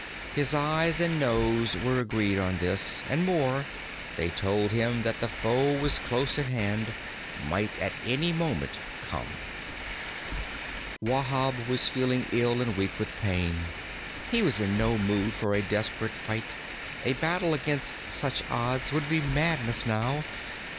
His eyes and nose were agreed on this; and more, they told him that the foe was close at hand, might at any moment come. Wahb was feeling ill and weak with pain. He was in no mood for a desperate fight. A battle against such odds would be madness now.